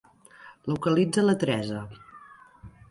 Localitza la Teresa.